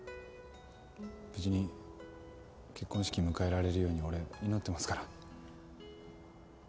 無事に結婚式迎えられるように俺祈ってますから。